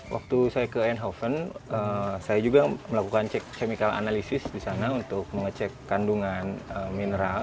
waktu saya ke en haven saya juga melakukan cek chemical analisis di sana untuk mengecek kandungan mineral